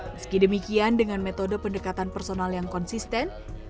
meski demikian dengan metode pendekatan personal yang konsisten